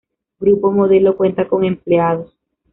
Grupo Modelo cuenta con empleados.